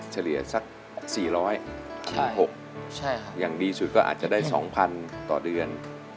เฉลี่ยสัก๔๖อย่างดีสุดก็อาจจะได้๒๐๐๐ต่อเดือน